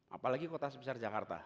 apalagi kota sebesar jakarta